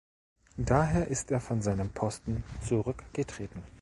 Daher ist er von seinem Posten zurückgetreten.